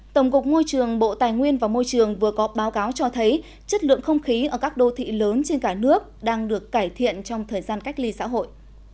tổng cục môi trường bộ tài nguyên và môi trường vừa có báo cáo cho thấy chất lượng không khí ở các đô thị lớn trên cả nước đang được cải thiện trong thời gian cách ly xã hội